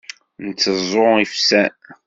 Nteẓẓu ifsan.